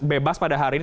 bebas pada hari ini